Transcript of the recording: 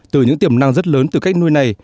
từ những tiềm năng rất lớn từ cách nuôi này